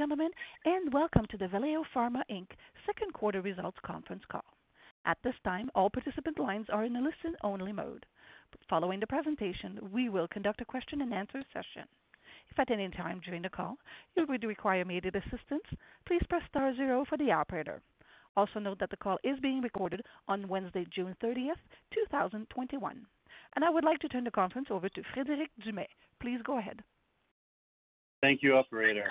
Ladies and gentlemen, welcome to the Valeo Pharma Inc. second quarter results conference call. Also note that the call is being recorded on Wednesday, June 30, 2021. I would like to turn the conference over to Frederic Dumais. Please go ahead. Thank you, operator.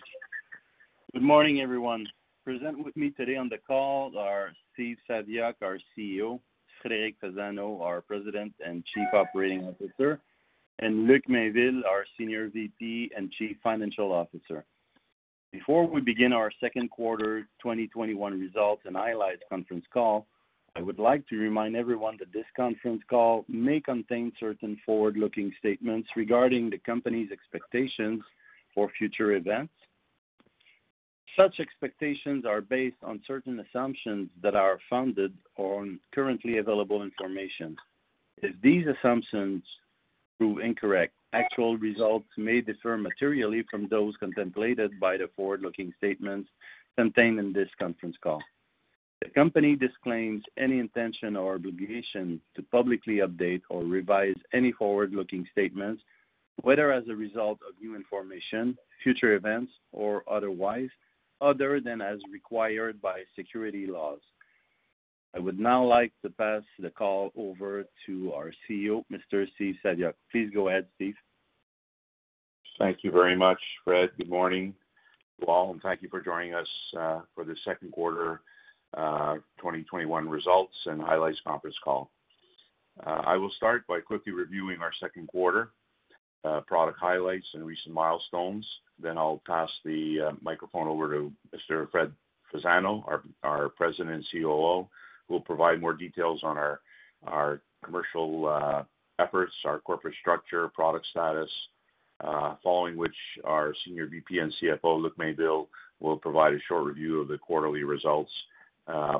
Good morning, everyone. Present with me today on the call are Steve Saviuk, our CEO, Frederic Fasano, our President and Chief Operating Officer, and Luc Mainville, our Senior VP and Chief Financial Officer. Before we begin our second quarter 2021 results and highlights conference call, I would like to remind everyone that this conference call may contain certain forward-looking statements regarding the company's expectations for future events. Such expectations are based on certain assumptions that are founded on currently available information. If these assumptions prove incorrect, actual results may differ materially from those contemplated by the forward-looking statements contained in this conference call. The company disclaims any intention or obligation to publicly update or revise any forward-looking statements, whether as a result of new information, future events, or otherwise, other than as required by security laws. I would now like to pass the call over to our CEO, Mr. Steve Saviuk. Please go ahead, Steve. Thank you very much, Fred. Good morning to you all, and thank you for joining us for the second quarter 2021 results and highlights conference call. I will start by quickly reviewing our second quarter product highlights and recent milestones. I'll pass the microphone over to Mr. Frederic Fasano, our President and COO, who will provide more details on our commercial efforts, our corporate structure, product status. Following which, our Senior VP and CFO, Luc Mainville, will provide a short review of the quarterly results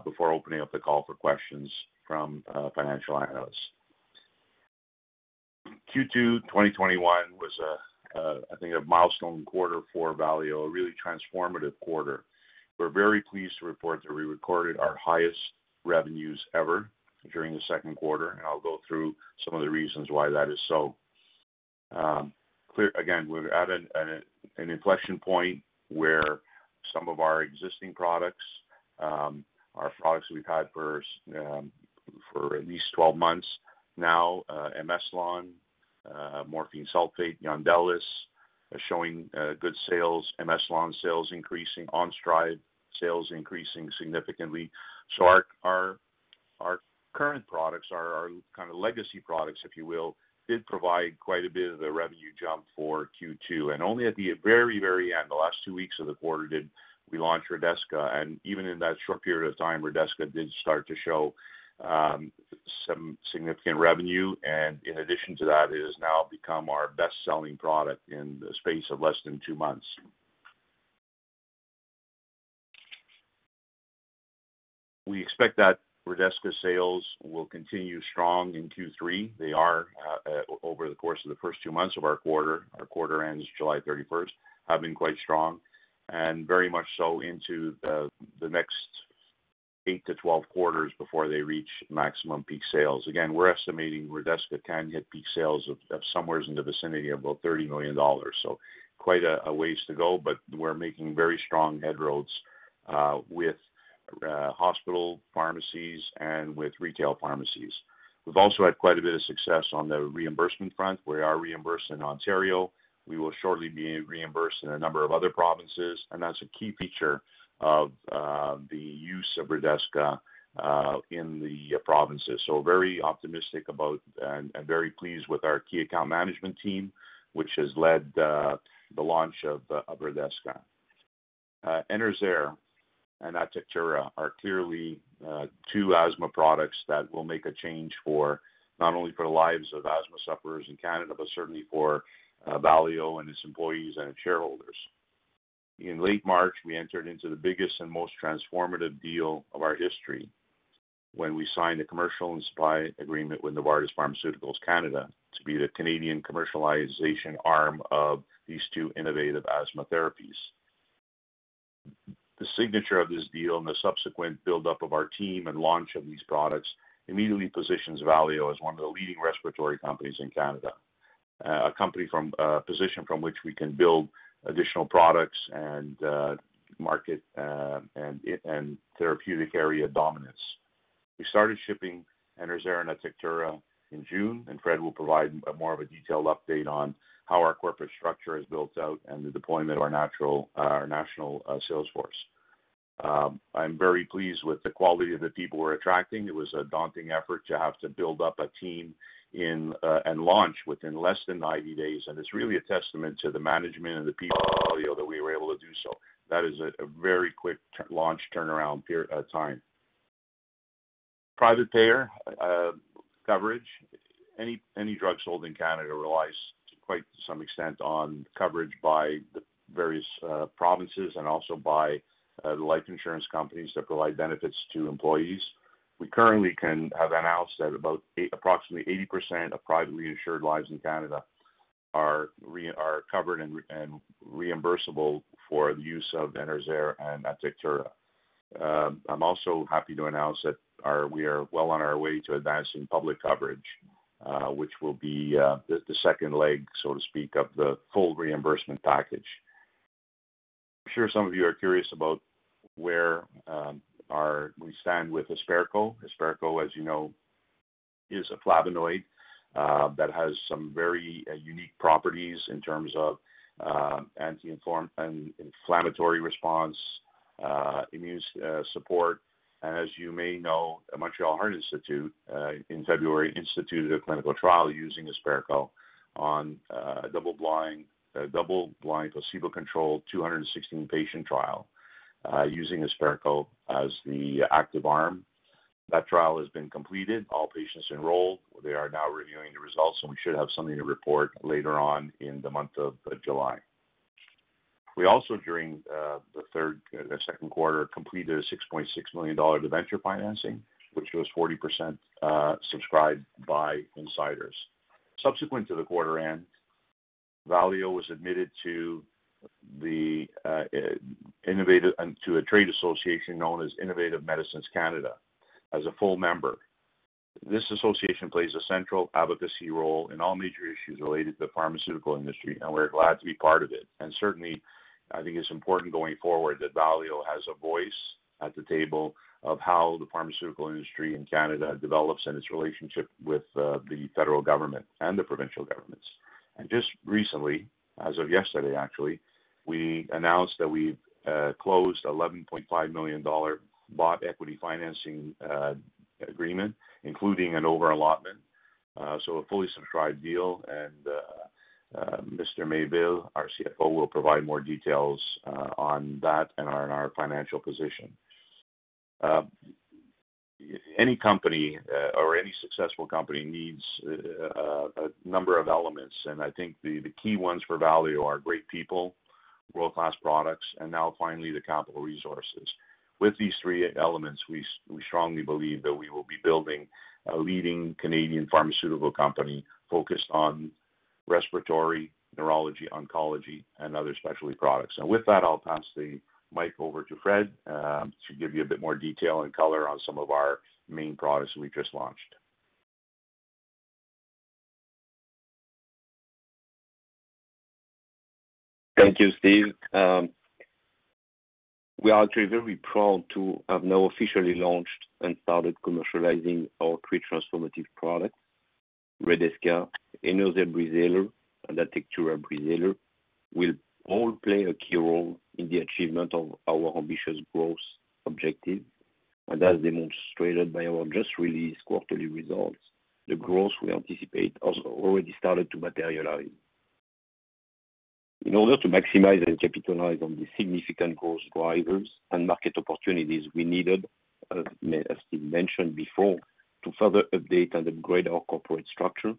before opening up the call for questions from financial analysts. Q2 2021 was, I think, a milestone quarter for Valeo, a really transformative quarter. We're very pleased to report that we recorded our highest revenues ever during the second quarter, and I'll go through some of the reasons why that is so. Again, we're at an inflection point where some of our existing products, our products we've had for at least 12 months now, M-Eslon, morphine sulfate, YONDELIS, are showing good sales. M-Eslon sales increasing. Onstryv sales increasing significantly. Our current products, our legacy products, if you will, did provide quite a bit of the revenue jump for Q2. Only at the very end, the last two weeks of the quarter, did we launch Redesca. Even in that short period of time, Redesca did start to show some significant revenue. In addition to that, it has now become our best-selling product in the space of less than two months. We expect that Redesca sales will continue strong in Q3. They are over the course of the first two months of our quarter, our quarter ends July 31st, have been quite strong and very much so into the next 8-12 quarters before they reach maximum peak sales. Again, we're estimating Redesca can hit peak sales of somewhere in the vicinity of about 30 million dollars. Quite a ways to go, but we're making very strong headroads with hospital pharmacies and with retail pharmacies. We've also had quite a bit of success on the reimbursement front. We are reimbursed in Ontario. We will shortly be reimbursed in a number of other provinces, and that's a key feature of the use of Redesca in the provinces. Very optimistic about and very pleased with our key account management team, which has led the launch of Redesca. Enerzair and Atectura are clearly two asthma products that will make a change for not only for the lives of asthma sufferers in Canada, but certainly for Valeo and its employees and its shareholders. In late March, we entered into the biggest and most transformative deal of our history when we signed a commercial and supply agreement with Novartis Pharmaceuticals Canada to be the Canadian commercialization arm of these two innovative asthma therapies. The signature of this deal and the subsequent buildup of our team and launch of these products immediately positions Valeo as one of the leading respiratory companies in Canada. A company from a position from which we can build additional products and market and therapeutic area dominance. We started shipping Enerzair and Atectura in June, and Fred will provide more of a detailed update on how our corporate structure is built out and the deployment of our national sales force. I'm very pleased with the quality of the people we're attracting. It was a daunting effort to have to build up a team and launch within less than 90 days, and it's really a testament to the management and the people at Valeo that we were able to do so. That is a very quick launch turnaround time. Private payer coverage. Any drugs sold in Canada relies to quite some extent on coverage by the various provinces and also by the life insurance companies that provide benefits to employees. We currently have announced that about approximately 80% of privately insured lives in Canada are covered and reimbursable for the use of Enerzair and Atectura. I'm also happy to announce that we are well on our way to advancing public coverage, which will be the second leg, so to speak, of the full reimbursement package. I'm sure some of you are curious about where we stand with Hesperco. Hesperco, as you know, is a flavonoid that has some very unique properties in terms of anti-inflammatory response, immune support. As you may know, Montreal Heart Institute, in February, instituted a clinical trial using Hesperco on a double-blind, placebo-controlled 216-patient trial using Hesperco as the active arm. That trial has been completed, all patients enrolled. They are now reviewing the results, and we should have something to report later on in the month of July. We also, during the second quarter, completed a 6.6 million dollar debenture financing, which was 40% subscribed by insiders. Subsequent to the quarter end, Valeo was admitted to a trade association known as Innovative Medicines Canada as a full member. This association plays a central advocacy role in all major issues related to the pharmaceutical industry, we're glad to be part of it. Certainly, I think it's important going forward that Valeo has a voice at the table of how the pharmaceutical industry in Canada develops and its relationship with the federal government and the provincial governments. Just recently, as of yesterday actually, we announced that we've closed a 11.5 million dollar bought equity financing agreement, including an over-allotment. A fully subscribed deal, Mr. Mainville, our CFO, will provide more details on that and on our financial position. Any successful company needs a number of elements, I think the key ones for Valeo are great people, world-class products, and now finally the capital resources. With these three elements, we strongly believe that we will be building a leading Canadian pharmaceutical company focused on respiratory, neurology, oncology, and other specialty products. With that, I'll pass the mic over to Frederic to give you a bit more detail and color on some of our main products we just launched. Thank you, Steve. We are actually very proud to have now officially launched and started commercializing our three transformative products. Redesca, Enerzair Breezhaler, Atectura Breezhaler will all play a key role in the achievement of our ambitious growth objective. As demonstrated by our just-released quarterly results, the growth we anticipate has already started to materialize. In order to maximize and capitalize on these significant growth drivers and market opportunities, we needed, as Steve mentioned before, to further update and upgrade our corporate structure.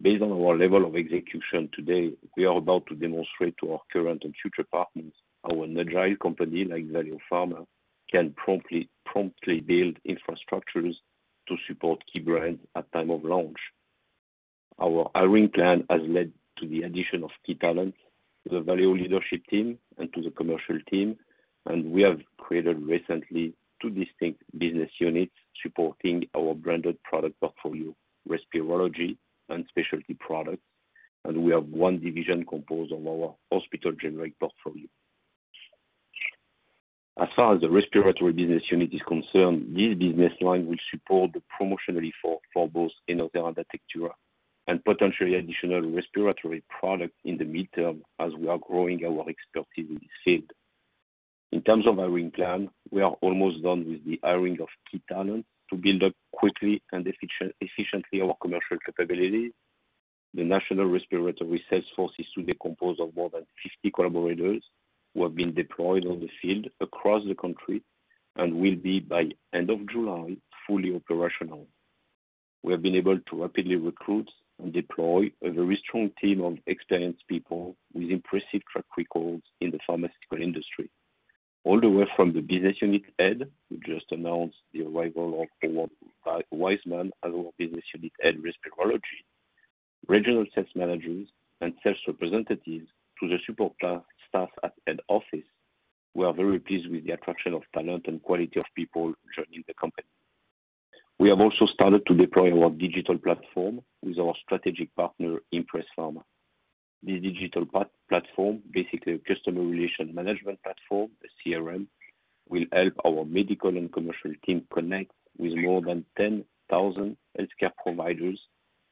Based on our level of execution today, we are about to demonstrate to our current and future partners how an agile company like Valeo Pharma can promptly build infrastructures to support key brands at time of launch. Our hiring plan has led to the addition of key talent to the Valeo leadership team and to the commercial team. We have created recently two distinct business units supporting our branded product portfolio, Respirology and Specialty Products. We have one division composed of our hospital generic portfolio. As far as the respiratory business unit is concerned, this business line will support the promotion effort for both Enerzair and Atectura and potentially additional respiratory products in the midterm as we are growing our expertise in this field. In terms of hiring plan, we are almost done with the hiring of key talent to build up quickly and efficiently our commercial capabilities. The National Respiratory Sales Force is today composed of more than 50 collaborators who have been deployed on the field across the country and will be, by end of July, fully operational. We have been able to rapidly recruit and deploy a very strong team of experienced people with impressive track records in the pharmaceutical industry. All the way from the business unit head, we just announced the arrival of Howard Wiseman as our Business Unit Head, Respirology. Regional sales managers and sales representatives to the support staff at head office. We are very pleased with the attraction of talent and quality of people joining the company. We have also started to deploy our digital platform with our strategic partner, Impres Pharma. This digital platform, basically a customer relation management platform, a CRM, will help our medical and commercial team connect with more than 10,000 healthcare providers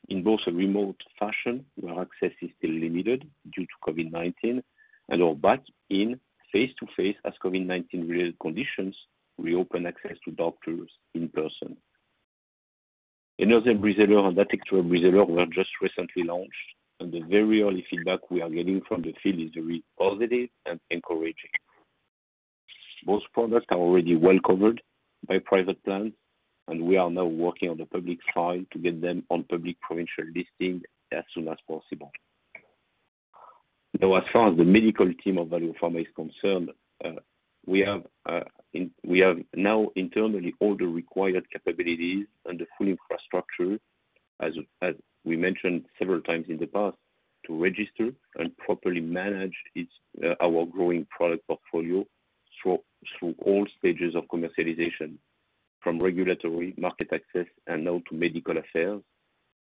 in both a remote fashion where access is still limited due to COVID-19 and/or back in face-to-face as COVID-19 related conditions reopen access to doctors in person. Enerzair Breezhaler and Atectura Breezhaler were just recently launched, and the very early feedback we are getting from the field is very positive and encouraging. Both products are already well covered by private plans, and we are now working on the public side to get them on public provincial listing as soon as possible. As far as the medical team of Valeo Pharma is concerned, we have now internally all the required capabilities and the full infrastructure, as we mentioned several times in the past, to register and properly manage our growing product portfolio through all stages of commercialization. From regulatory market access and now to medical affairs,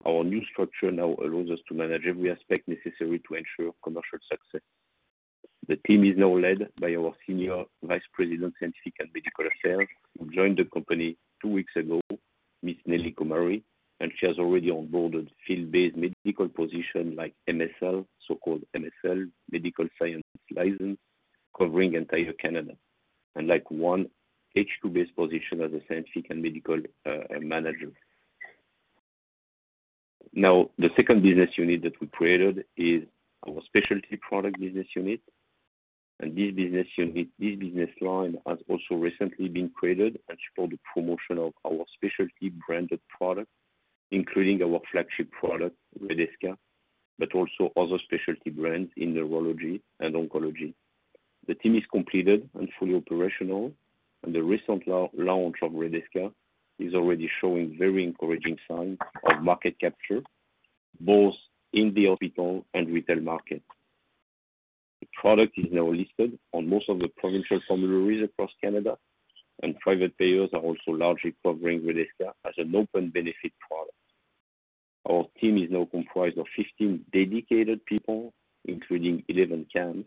our new structure now allows us to manage every aspect necessary to ensure commercial success. The team is now led by our Senior Vice President and Chief of Medical Affairs, who joined the company two weeks ago, Miss Nelly Komari, and she has already onboarded field-based medical positions like MSL, Medical Science Liaison, covering entire Canada. One H2-based position as a scientific and medical manager. The second business unit that we created is our specialty product business unit. This business line has also recently been created as for the promotion of our specialty branded product, including our flagship product, Redesca, but also other specialty brands in neurology and oncology. The team is completed and fully operational, and the recent launch of Redesca is already showing very encouraging signs of market capture, both in the hospital and retail market. The product is now listed on most of the provincial formularies across Canada, and private payers are also largely covering Redesca as an open benefit product. Our team is now comprised of 15 dedicated people, including 11 KAMs,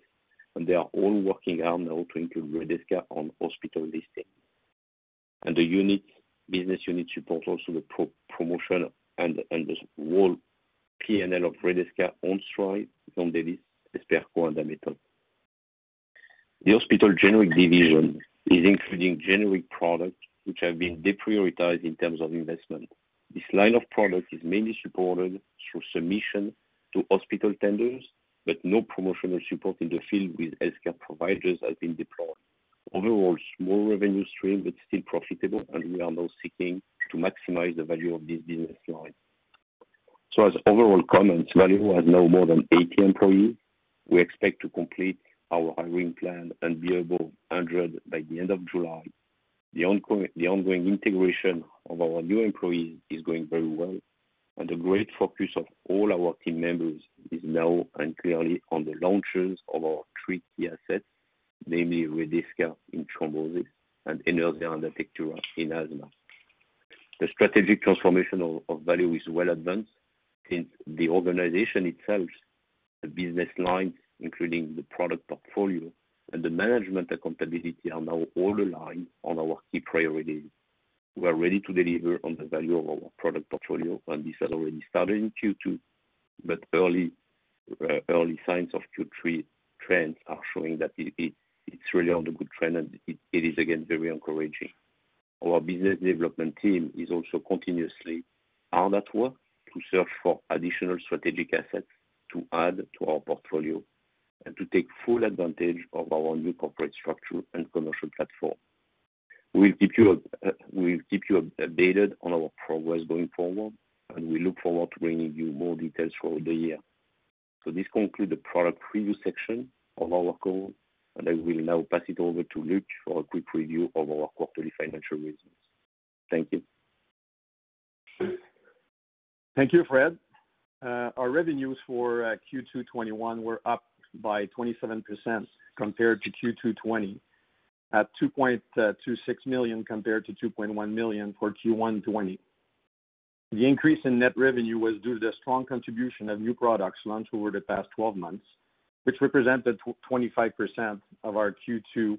and they are all working hard now to include Redesca on hospital listing. The business unit supports also the promotion and the whole P&L of Redesca, Onstryv, YONDELIS, Hesperco and Ametop. The hospital generic division is including generic products, which have been deprioritized in terms of investment. This line of products is mainly supported through submission to hospital tenders, but no promotional support in the field with healthcare providers has been deployed. Overall, small revenue stream, but still profitable, and we are now seeking to maximize the value of this business line. As overall comments, Valeo has now more than 80 employees. We expect to complete our hiring plan and be above 100 by the end of July. The ongoing integration of our new employees is going very well, and the great focus of all our team members is now and clearly on the launches of our three key assets, namely Redesca in thrombosis and YONDELIS and Atectura in asthma. The strategic transformation of Valeo is well advanced since the organization itself, the business lines, including the product portfolio and the management accountability, are now all aligned on our key priorities. We are ready to deliver on the value of our product portfolio, and this had already started in Q2. Early signs of Q3 trends are showing that it's really on the good trend, and it is again very encouraging. Our business development team is also continuously hard at work to search for additional strategic assets to add to our portfolio and to take full advantage of our new corporate structure and commercial platform. We'll keep you updated on our progress going forward, and we look forward to bringing you more details throughout the year. This concludes the product preview section of our call, and I will now pass it over to Luc for a quick review of our quarterly financial results. Thank you. Thank you, Fred. Our revenues for Q2 2021 were up by 27% compared to Q2 2020, at 2.26 million compared to 2.1 million for Q2 2020. The increase in net revenue was due to the strong contribution of new products launched over the past 12 months, which represented 25% of our Q2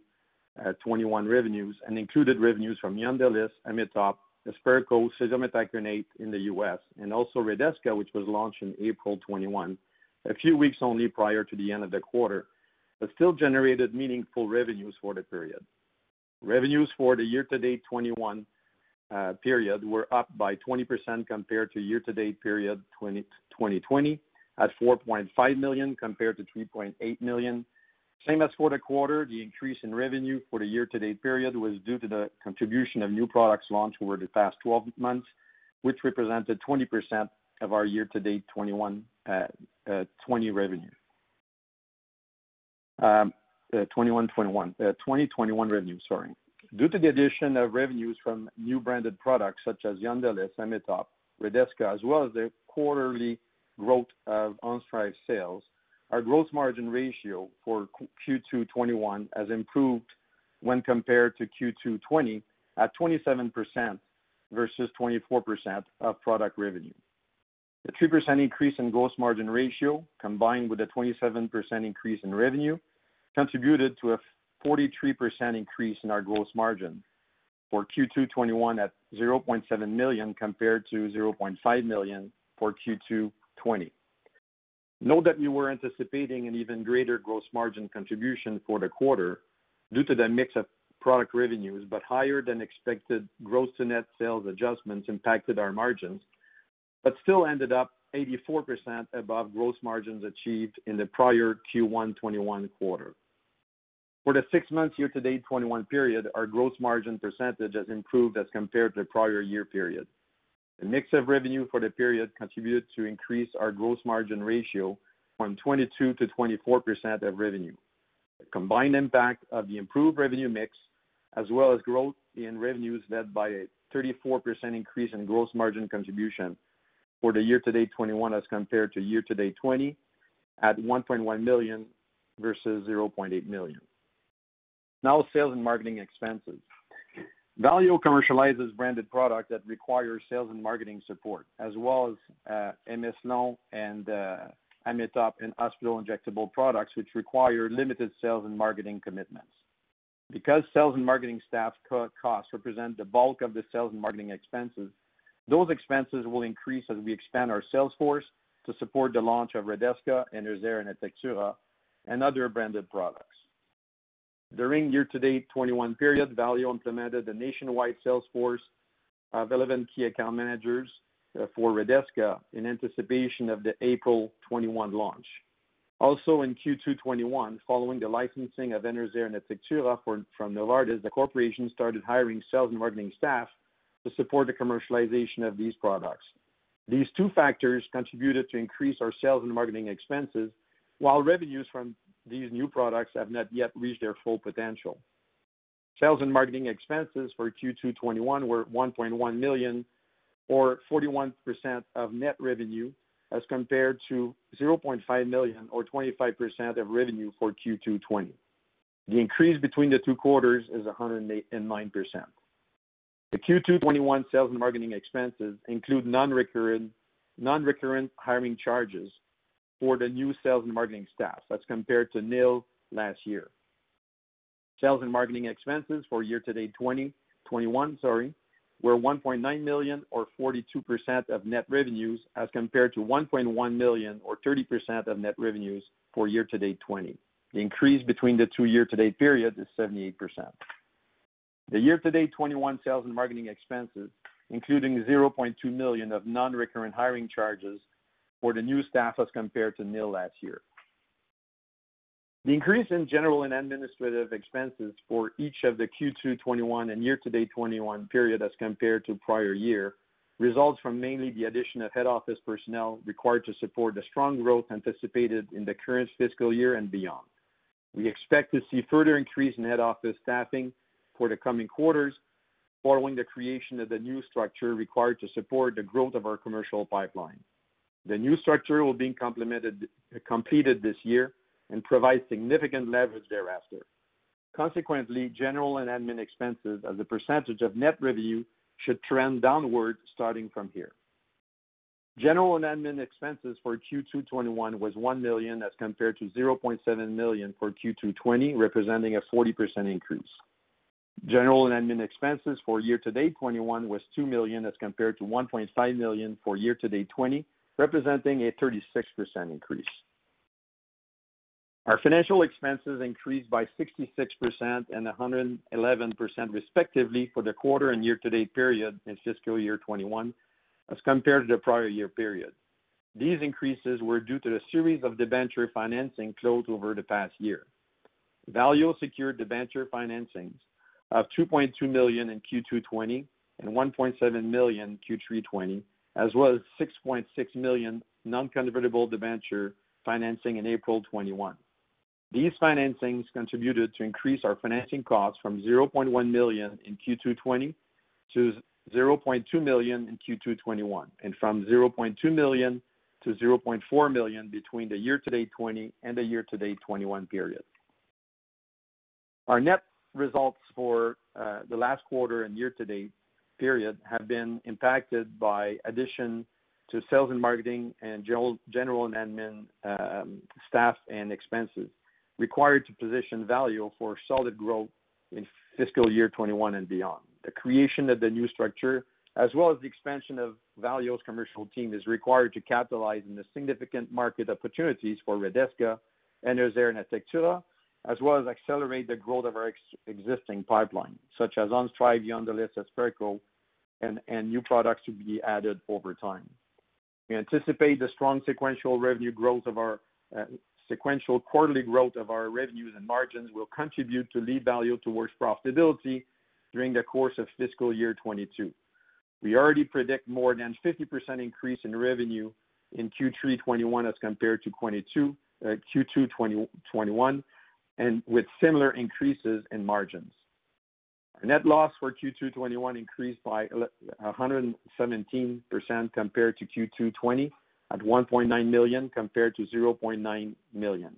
2021 revenues and included revenues from YONDELIS, Ametop, Hesperco, INQOVI in the U.S., and also Redesca, which was launched in April 2021, a few weeks only prior to the end of the quarter, but still generated meaningful revenues for the period. Revenues for the year-to-date 2021 period were up by 20% compared to year-to-date period 2020, at 4.5 million compared to 3.8 million. Same as for the quarter, the increase in revenue for the year-to-date period was due to the contribution of new products launched over the past 12 months, which represented 20% of our year-to-date 2021 revenues.2021 revenues. Sorry. Due to the addition of revenues from new branded products such as YONDELIS, Ametop, Redesca as well as the quarterly growth of Onstryv sales, our growth margin ratio for Q2 2021 has improved when compared to Q2 2020, at 27% versus 24% of product revenue. The 3% increase in gross margin ratio, combined with a 27% increase in revenue, contributed to a 43% increase in our gross margin for Q2 2021 at 700,00 compared to 500,000 for Q2 2020. Note that we were anticipating an even greater gross margin contribution for the quarter due to the mix of product revenues, but higher-than-expected gross to net sales adjustments impacted our margins, but still ended up 84% above gross margins achieved in the prior Q1 2021 quarter. For the six months year-to-date 2021 period, our growth margin percentage has improved as compared to prior year periods. The mix of revenue for the period contributed to increase our gross margin ratio from 22% to 24% of revenue. The combined impact of the improved revenue mix as well as growth in revenues led by a 34% increase in gross margin contribution for the year-to-date 2021 as compared to year-to-date 2020 at 1.1 million versus 800,000. Now, sales and marketing expenses. Valeo commercializes branded product that requires sales and marketing support, as well as M-Eslon and Ametop and Osfo injectable products which require limited sales and marketing commitments. Because sales and marketing staff costs represent the bulk of the sales and marketing expenses, those expenses will increase as we expand our sales force to support the launch of Redesca and Enerzair and Atectura and other branded products. During year-to-date 2021 period, Valeo implemented a nationwide sales force of 11 Key Account Managers for Redesca in anticipation of the April 2021 launch. In Q2 2021, following the licensing of Enerzair and Atectura from Novartis, the corporation started hiring sales and marketing staff to support the commercialization of these products. These two factors contributed to increase our sales and marketing expenses, while revenues from these new products have not yet reached their full potential. Sales and marketing expenses for Q2 2021 were 1.1 million or 41% of net revenue as compared to 500,00 or 25% of revenue for Q2 2020. The increase between the two quarters is 109%. The Q2 2021 sales and marketing expenses include non-recurrent hiring charges for the new sales and marketing staff as compared to nil last year. Sales and marketing expenses for year-to-date 2021 were 1.9 million or 42% of net revenues as compared to 1.1 million or 30% of net revenues for year-to-date 2020. The increase between the two year-to-date periods is 78%. The year-to-date 2021 sales and marketing expenses including 200,000 of non-recurrent hiring charges for the new staff as compared to nil last year. The increase in general and administrative expenses for each of the Q2 2021 and year-to-date 2021 period as compared to prior year results from mainly the addition of head office personnel required to support the strong growth anticipated in the current fiscal year and beyond. We expect to see further increase in head office staffing for the coming quarters following the creation of the new structure required to support the growth of our commercial pipeline. The new structure will be completed this year and provide significant leverage thereafter. Consequently, general and admin expenses as a percentage of net revenue should trend downward starting from here. General and admin expenses for Q2 2021 was 1 million as compared to 700,000 for Q2 2020 representing a 40% increase. General and admin expenses for year-to-date 2021 was 2 million as compared to 1.5 million for year-to-date 2020 representing a 36% increase. Our financial expenses increased by 66% and 111% respectively for the quarter and year-to-date period in fiscal year 2021 as compared to prior year period. These increases were due to a series of debenture financing closed over the past year. Valeo secured debenture financings of 2.2 million in Q2 2020 and 1.7 million Q3 2020, as well as 6.6 million non-convertible debenture financing in April 2021. These financings contributed to increase our financing costs from 100,000 in Q2 2020 to 200,00 in Q2 2021, and from 200,000 to 400,000 between the year-to-date 2020 and the year-to-date 2021 periods. Our net results for the last quarter and year-to-date period have been impacted by addition to sales and marketing and general admin staff and expenses required to position Valeo for solid growth in fiscal year 2021 and beyond. The creation of the new structure as well as the expansion of Valeo's commercial team is required to capitalize on the significant market opportunities for Redesca and Enerzair and Atectura, as well as accelerate the growth of our existing pipeline such as Onstryv, YONDELIS, Osfo, and new products to be added over time. We anticipate the strong sequential quarterly growth of our revenues and margins will contribute to lead Valeo towards profitability during the course of fiscal year 2022. We already predict more than 50% increase in revenue in Q3 2021 as compared to Q2 2021 and with similar increases in margins. Our net loss for Q2 2021 increased by 117% compared to Q2 2020 at 1.9 million compared to 900,00.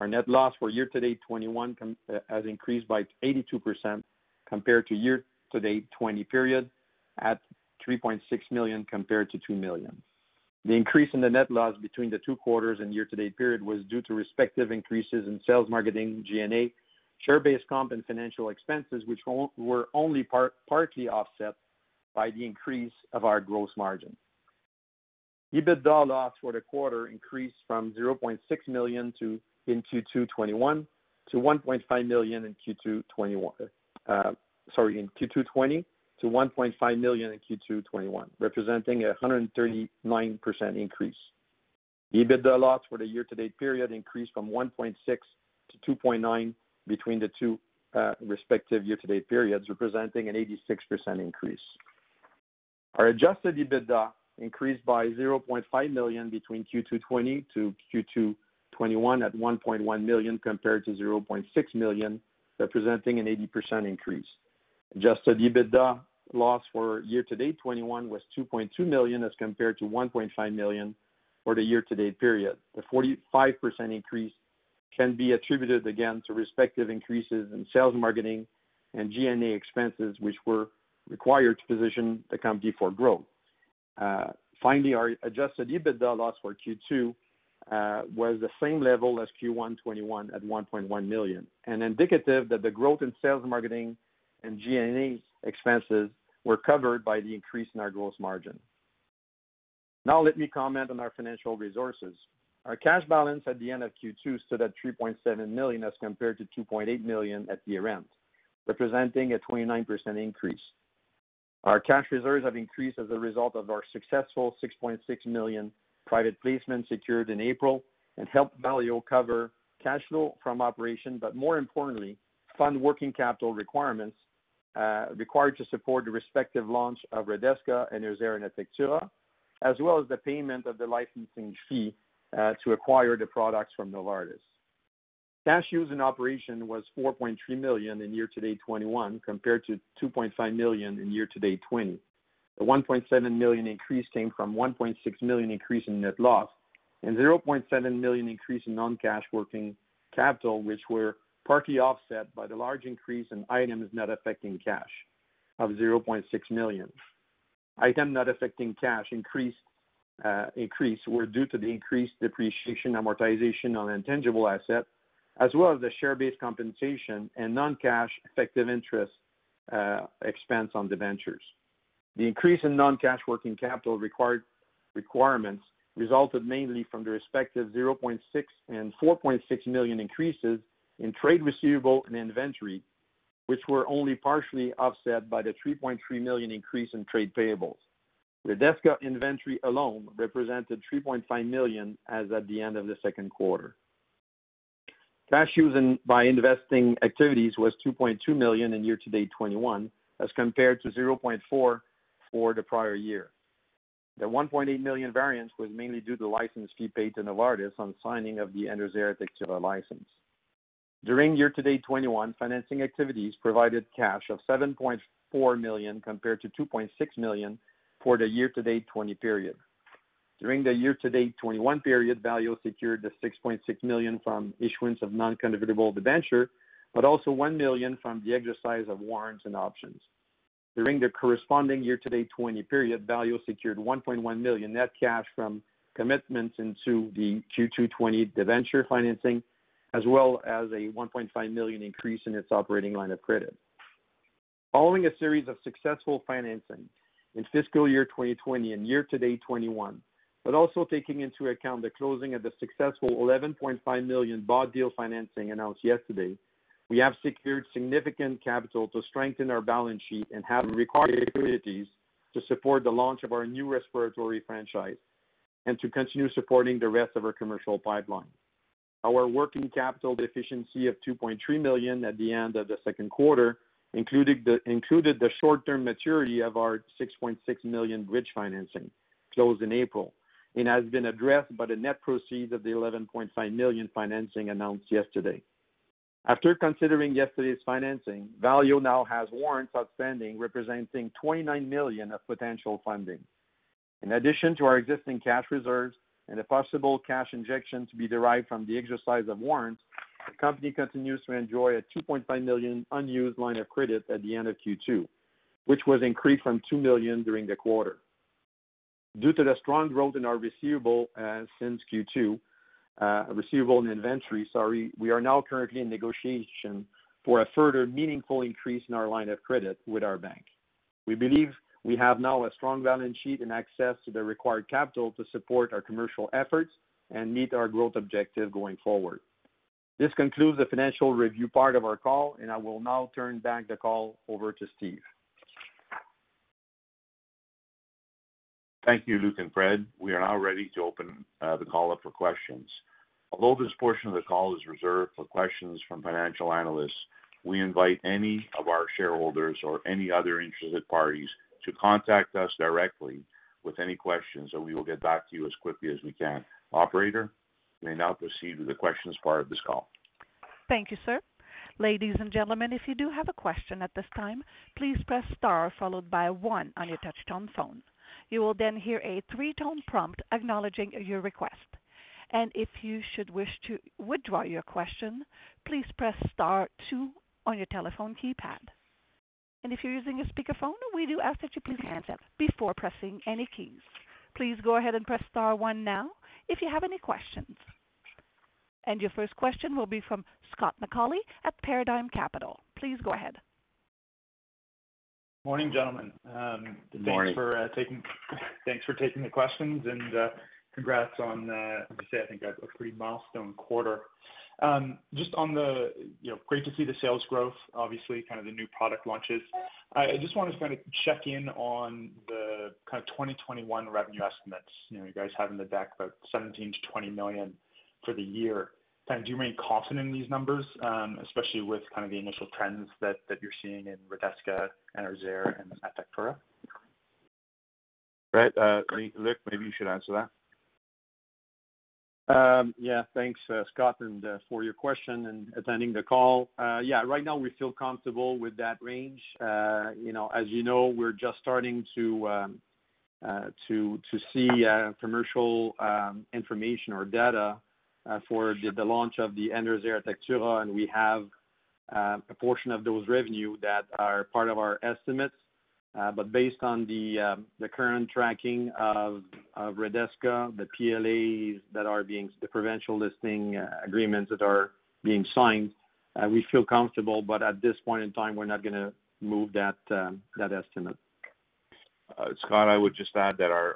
Our net loss for year-to-date 2021 has increased by 82% compared to year-to-date 2020 period at 3.6 million compared to 2 million. The increase in the net loss between the two quarters and year-to-date period was due to respective increases in sales marketing, G&A, share-based comp and financial expenses which were only partly offset by the increase of our gross margin. EBITDA loss for the quarter increased from 600,000 in Q2 2020 to 1.5 million in Q2 2021 representing a 139% increase. EBITDA loss for the year-to-date period increased from 1.6 million to 2.9 million between the two respective year-to-date periods, representing an 86% increase. Our adjusted EBITDA increased by 500,000 between Q2 2020 to Q2 2021 at 1.1 million compared to 600,000, representing an 80% increase. Adjusted EBITDA loss for year-to-date 2021 was 2.2 million as compared to 1.5 million for the year-to-date period. The 45% increase can be attributed again to respective increases in sales, marketing, and G&A expenses, which were required to position the company for growth. Finally, our adjusted EBITDA loss for Q2 was the same level as Q1 2021 at 1.1 million, and indicative that the growth in sales, marketing, and G&A expenses were covered by the increase in our gross margin. Now let me comment on our financial resources. Our cash balance at the end of Q2 stood at 3.7 million as compared to 2.8 million at year-end, representing a 29% increase. Our cash reserves have increased as a result of our successful 6.6 million private placement secured in April and helped Valeo cover cash flow from operation, but more importantly, fund working capital requirements required to support the respective launch of Redesca and Enerzair and Atectura, as well as the payment of the licensing fee to acquire the products from Novartis. Cash used in operation was 4.3 million in year-to-date 2021 compared to 2.5 million in year-to-date 2020. The 1.7 million increase came from 1.6 million increase in net loss and 700,000 increase in non-cash working capital, which were partly offset by the large increase in items net affecting cash of 600,000. items not affecting cash increase were due to the increased depreciation amortization on intangible assets, as well as the share-based compensation and non-cash effective interest expense on the ventures. The increase in non-cash working capital requirements resulted mainly from the respective 600,000 and 4.6 million increases in trade receivable and inventory, which were only partially offset by the 3.3 million increase in trade payables. Redesca inventory alone represented 3.5 million as at the end of the second quarter. Cash used in by investing activities was 2.2 million in year-to-date 2021, as compared to 400,000 for the prior year. The 1.8 million variance was mainly due to license fee paid to Novartis on signing of the Enerzair Atectura license. During year-to-date 2021, financing activities provided cash of 7.4 million compared to 2.6 million for the year-to-date 2020 period. During the year-to-date 2021 period, Valeo secured 6.6 million from issuance of non-convertible debenture, but also 1 million from the exercise of warrants and options. During the corresponding year-to-date 2020 period, Valeo secured 1.1 million net cash from commitments into the Q2 2020 debenture financing, as well as a 1.5 million increase in its operating line of credit. Following a series of successful financing in fiscal year 2020 and year-to-date 2021, but also taking into account the closing of the successful 11.5 million bond deal financing announced yesterday, we have secured significant capital to strengthen our balance sheet and have required facilities to support the launch of our new respiratory franchise and to continue supporting the rest of our commercial pipeline. Our working capital efficiency of 2.3 million at the end of the second quarter included the short-term maturity of our 6.6 million bridge financing closed in April and has been addressed by the net proceeds of the 11.5 million financing announced yesterday. After considering yesterday's financing, Valeo now has warrants outstanding representing 29 million of potential funding. In addition to our existing cash reserves and the possible cash injections to be derived from the exercise of warrants, the company continues to enjoy a 2.5 million unused line of credit at the end of Q2, which was increased from 2 million during the quarter. Due to the strong growth in our receivable since Q2, receivable and inventory, sorry, we are now currently in negotiation for a further meaningful increase in our line of credit with our bank. We believe we have now a strong balance sheet and access to the required capital to support our commercial efforts and meet our growth objective going forward. This concludes the financial review part of our call, and I will now turn back the call over to Steve. Thank you, Luc and Fred. We are now ready to open the call up for questions. Although this portion of the call is reserved for questions from financial analysts, we invite any of our shareholders or any other interested parties to contact us directly with any questions, and we will get back to you as quickly as we can. Operator, you may now proceed to the questions part of this call. Thank you, sir. Ladies and gentlemen, if you do have a question at this time, please press star followed by one on your touchtone phone. You will then hear a three-tone prompt acknowledging your request. If you should wish to withdraw your question, please press star two on your telephone keypad. If you're using a speakerphone, we do ask that you put your hand up before pressing any keys. Please go ahead and press star one now if you have any questions. Your first question will be from Scott McAuley at Paradigm Capital. Please go ahead. Morning, gentlemen. Morning. Thanks for taking the questions and congrats on. Obviously, I think a pretty milestone quarter. Great to see the sales growth, obviously kind of the new product launches. I just wanted to check in on the kind of 2021 revenue estimates. You guys have in the deck about 17 million-20 million for the year. Do you remain confident in these numbers? Especially with the initial trends that you're seeing in Redesca, Enerzair, and Atectura? Right. Luc, maybe you should answer that. Thanks, Scott, and for your question and attending the call. Right now we feel comfortable with that range. As you know, we're just starting to see commercial information or data for the launch of the Enerzair Atectura, and we have a portion of those revenue that are part of our estimates. Based on the current tracking of Redesca, the PLAs, the provincial listing agreements that are being signed, we feel comfortable, but at this point in time, we're not going to move that estimate. Scott, I would just add that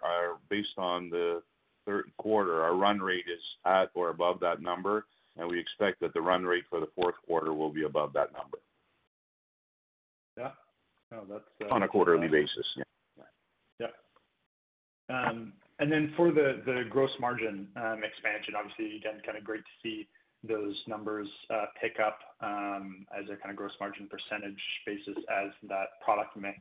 based on the third quarter, our run rate is at or above that number, and we expect that the run rate for the fourth quarter will be above that number. Yeah. No. On a quarterly basis. Yeah. For the gross margin expansion, obviously, again, great to see those numbers pick up as a gross margin percentage basis as that product mix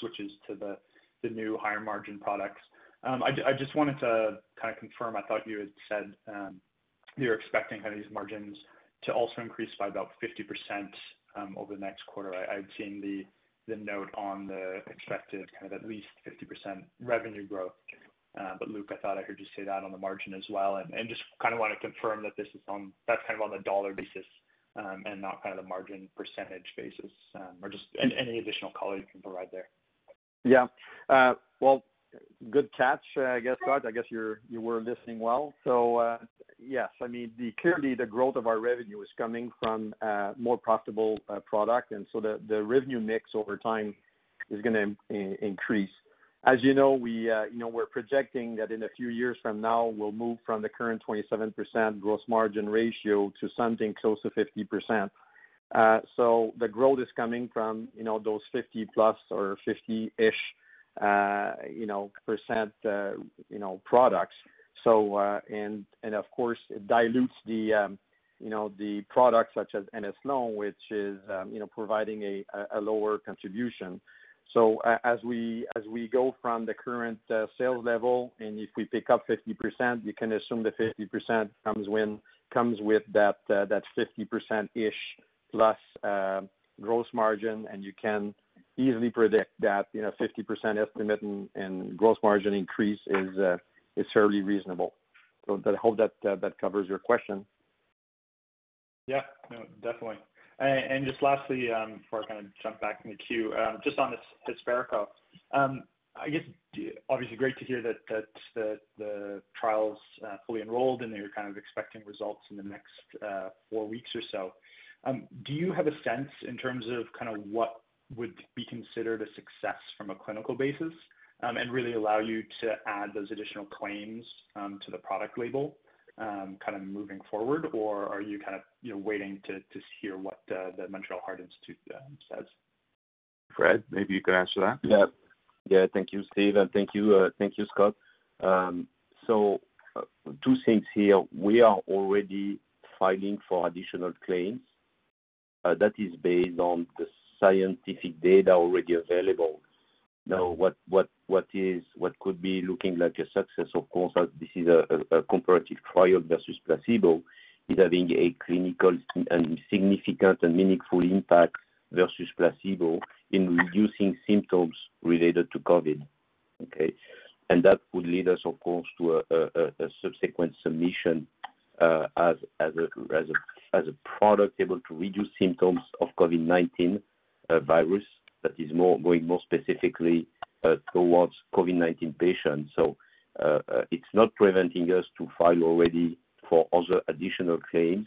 switches to the new higher margin products. I just wanted to confirm, I thought you had said you're expecting these margins to also increase by about 50% over the next quarter. I've seen the note on the expected at least 50% revenue growth. Luc, I thought I heard you say that on the margin as well, and just want to confirm that is on a dollar basis and not margin percentage basis, or just any additional color you can provide there. Well, good catch, Scott. I guess you were listening well. Yes. Clearly, the growth of our revenue is coming from a more profitable product, and so the revenue mix over time is going to increase. As you know, we're projecting that in a few years from now, we'll move from the current 27% gross margin ratio to something close to 50%. The growth is coming from those 50%+ or 50-ish % products. Of course, it dilutes the products such as M-Eslon, which is providing a lower contribution. As we go from the current sales level, and if we pick up 50%, you can assume the 50% comes with that 50%-ish plus gross margin, and you can easily predict that 50% estimate and gross margin increase is fairly reasonable. I hope that covers your question. Yeah, no, definitely. Just lastly, before I jump back in the queue, just on the Hesperco. Obviously great to hear that the trial's fully enrolled, and you're kind of expecting results in the next four weeks or so. Do you have a sense in terms of what would be considered a success from a clinical basis and really allow you to add those additional claims to the product label moving forward? Or are you waiting to just hear what the Montreal Heart Institute says? Frederic, maybe you can answer that? Yeah. Thank you, Steve, and thank you, Scott. Two things here. We are already filing for additional claims. That is based on the scientific data already available. What could be looking like a success, of course, this is a comparative trial versus placebo, is having a clinical and significant and meaningful impact versus placebo in reducing symptoms related to COVID. Okay? That would lead us, of course, to a subsequent submission as a product able to reduce symptoms of COVID-19 virus that is going more specifically towards COVID-19 patients. It's not preventing us to file already for other additional claims,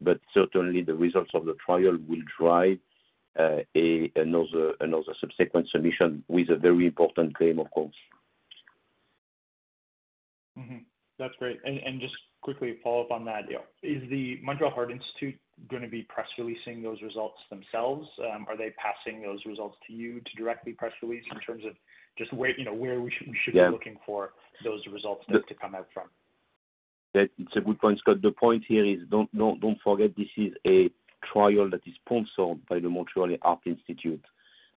but certainly the results of the trial will drive another subsequent submission with a very important claim, of course. That's great. Just quickly follow up on that. Is the Montreal Heart Institute going to be press-releasing those results themselves? Are they passing those results to you to directly press release in terms of just where we should be looking for those results to come out from? That's a good point, Scott. The point here is, don't forget, this is a trial that is sponsored by the Montreal Heart Institute.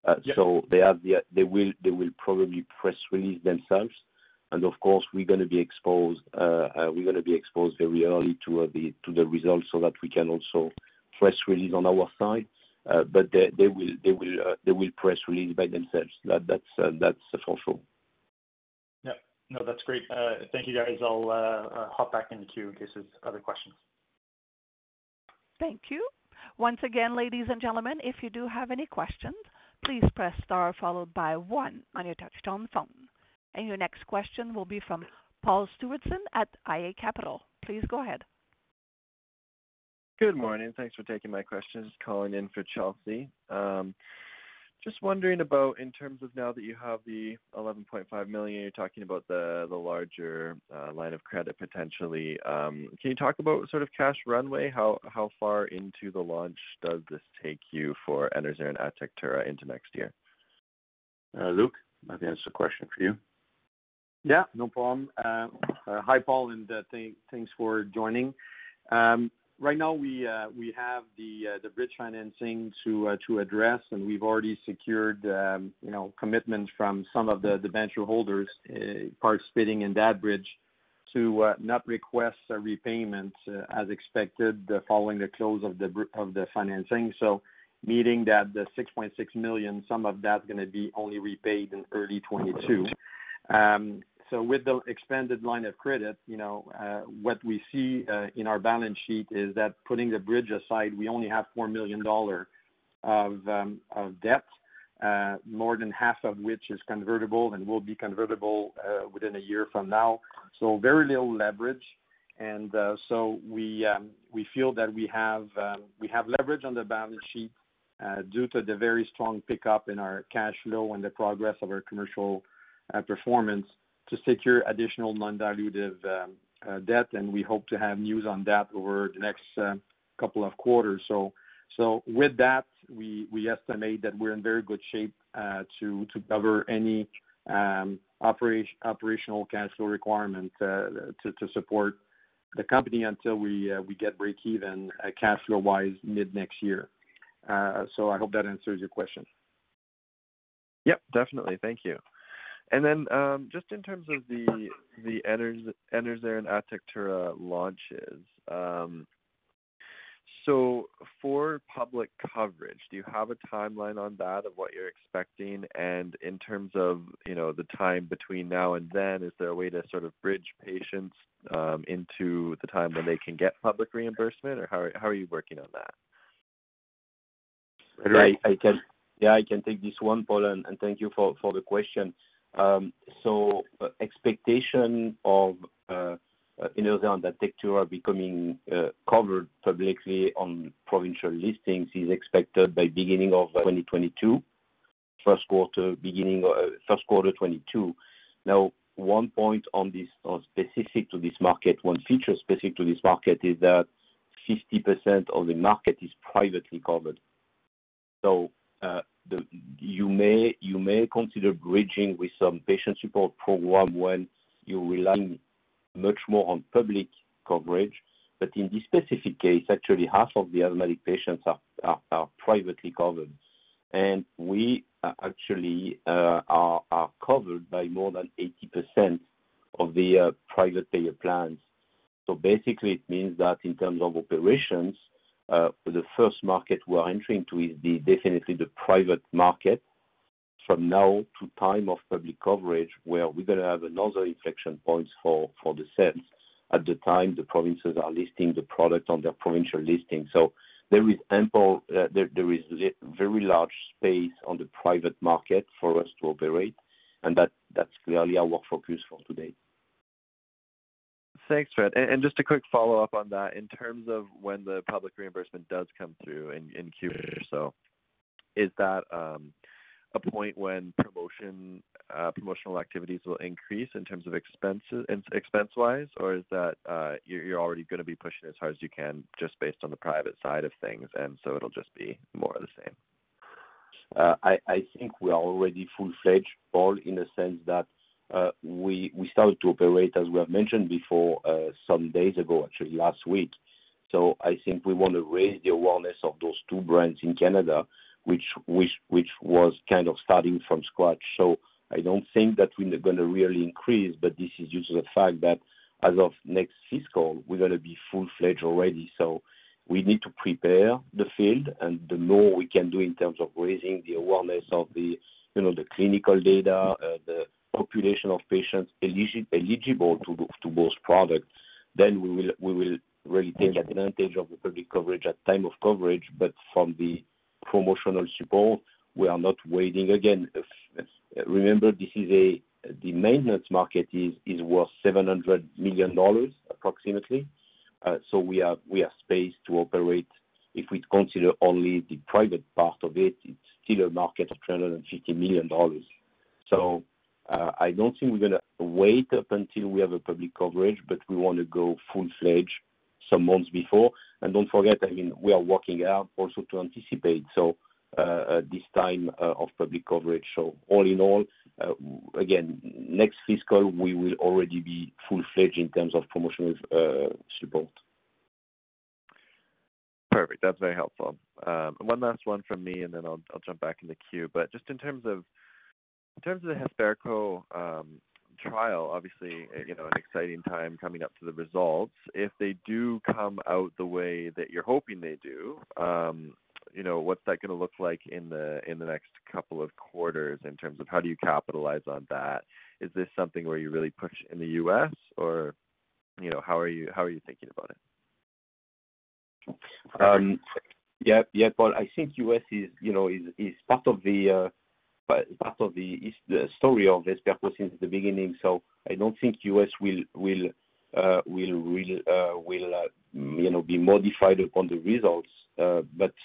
Yeah. They will probably press release themselves, and of course, we're going to be exposed very early to the results so that we can also press release on our side. They will press release by themselves. That's for sure. Yeah. No, that's great. Thank you, guys. I'll hop back in the queue in case there's other questions. Thank you. Your next question will be from Paul Stewardson at iA Capital. Please go ahead. Good morning. Thanks for taking my questions. Calling in for Chelsea. Just wondering about in terms of now that you have the 11.5 million, you're talking about the larger line of credit potentially. Can you talk about sort of cash runway? How far into the launch does this take you for Enerzair and Atectura into next year? Luc, might be answer the question for you. Yeah, no problem. Hi, Paul, thanks for joining. Right now we have the bridge financing to address. We've already secured commitments from some of the venture holders participating in that bridge to not request a repayment, as expected, following the close of the financing. Meaning that the 6.6 million, some of that's going to be only repaid in early 2022. With the extended line of credit, what we see in our balance sheet is that putting the bridge aside, we only have 4 million dollar of debt, more than half of which is convertible and will be convertible within a year from now. Very little leverage. We feel that we have leverage on the balance sheet due to the very strong pickup in our cash flow and the progress of our commercial performance to secure additional non-dilutive debt. We hope to have news on that over the next couple of quarters. With that, we estimate that we're in very good shape to cover any operational cash flow requirements to support the company until we get breakeven cash flow-wise mid-next year. I hope that answers your question. Yep, definitely. Thank you. Then just in terms of the Enerzair and Atectura launches. For public coverage, do you have a timeline on that of what you're expecting? In terms of the time between now and then, is there a way to sort of bridge patients into the time when they can get public reimbursement, or how are you working on that? Yeah, I can take this one, Paul, thank you for the question. Expectation of Enerzair and Atectura becoming covered publicly on provincial listings is expected by beginning of 2022, first quarter 2022. One point specific to this market, one feature specific to this market is that 60% of the market is privately covered. You may consider bridging with some patient support program once you're relying much more on public coverage. In this specific case, actually, half of the elderly patients are privately covered, and we actually are covered by more than 80% of the private payer plans. Basically, it means that in terms of operations, for the first market we're entering to is definitely the private market from now to time of public coverage, where we're going to have another inflection point for the sales at the time the provinces are listing the product on their provincial listing. There is very large space on the private market for us to operate, and that's clearly our focus for today. Thanks, Fred. Just a quick follow-up on that. In terms of when the public reimbursement does come through in Q2 itself, is that a point when promotional activities will increase in terms of expense-wise, or is that you're already going to be pushing as hard as you can just based on the private side of things, and so it'll just be more of the same? I think we are already full-fledged, Paul, in a sense that we started to operate, as we have mentioned before, some days ago, actually last week. I think we want to raise the awareness of those two brands in Canada, which was kind of starting from scratch. I don't think that we're going to really increase, but this is due to the fact that as of next fiscal, we're going to be full-fledged already. We need to prepare the field and the more we can do in terms of raising the awareness of the clinical data, the population of patients eligible to those products, we will really take advantage of the public coverage at time of coverage. From the promotional support, we are not waiting. Again, remember, the maintenance market is worth 700 million dollars approximately. We have space to operate. If we consider only the private part of it's still a market of 350 million dollars. I don't think we're going to wait up until we have a public coverage, but we want to go full-fledged some months before. Don't forget, again, we are working also to anticipate this time of public coverage. All in all, again, next fiscal, we will already be full-fledged in terms of promotional support. Perfect. That's very helpful. One last one from me, then I'll jump back in the queue. Just in terms of the Hesperco trial, obviously, exciting time coming up for the results. If they do come out the way that you're hoping they do, what's that going to look like in the next couple of quarters in terms of how do you capitalize on that? Is this something where you really push in the U.S. or how are you thinking about it? Yeah, Paul. I think U.S. is part of the story of Hesperco since the beginning. I don't think U.S. will be modified upon the results.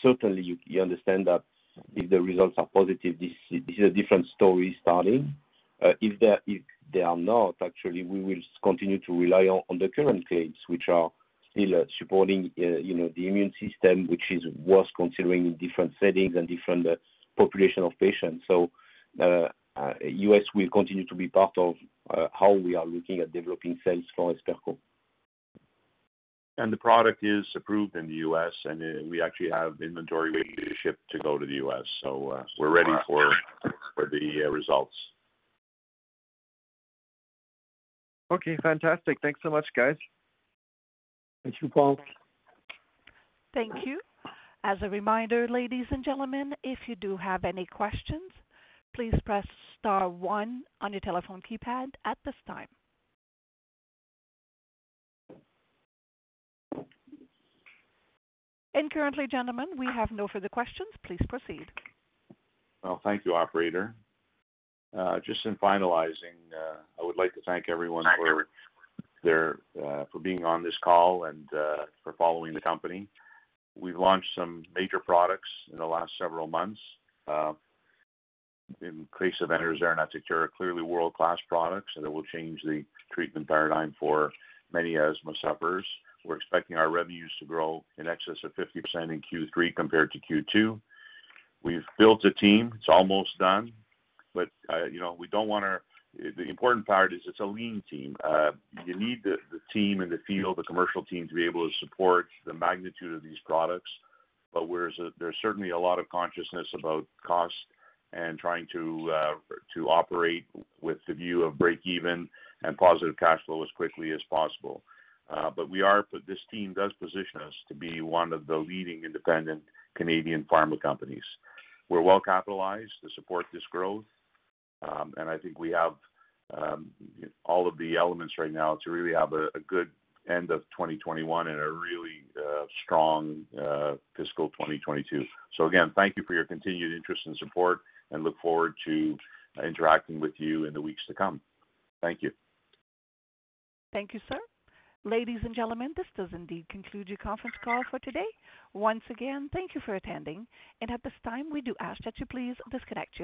Certainly you understand that if the results are positive, this is a different story starting. If they are not, actually, we will continue to rely on the current claims, which are still supporting the immune system, which is worth considering in different settings and different population of patients. U.S. will continue to be part of how we are looking at developing sales for Hesperco. The product is approved in the U.S., we actually have inventory ready to ship to go to the U.S. We're ready for the results. Okay, fantastic. Thanks so much, guys. Thank you, Paul. Thank you. As a reminder, ladies and gentlemen, if you do have any questions, please press star one on your telephone keypad at this time. Currently, gentlemen, we have no further questions. Please proceed. Well, thank you, operator. Just in finalizing, I would like to thank everyone for being on this call and for following the company. We've launched some major products in the last several months. In case of Enerzair and Atectura, clearly world-class products that will change the treatment paradigm for many asthma sufferers. We're expecting our revenues to grow in excess of 50% in Q3 compared to Q2. We've built a team. It's almost done. The important part is it's a lean team. You need the team in the field, the commercial team, to be able to support the magnitude of these products. There's certainly a lot of consciousness about cost and trying to operate with the view of break even and positive cash flow as quickly as possible. This team does position us to be one of the leading independent Canadian pharma companies. We're well-capitalized to support this growth. I think we have all of the elements right now to really have a good end of 2021 and a really strong fiscal 2022. Again, thank you for your continued interest and support, and look forward to interacting with you in the weeks to come. Thank you. Thank you, sir. Ladies and gentlemen, this does indeed conclude your conference call for today. Once again, thank you for attending. At this time, we do ask that you please disconnect.